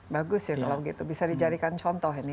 bagus ya kalau gitu bisa dijadikan contoh ini